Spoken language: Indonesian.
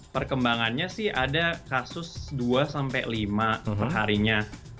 perkembangannya sih ada kasus dua sampai lima perharinya